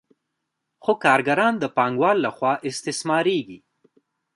خو کارګران د پانګوال له خوا استثمارېږي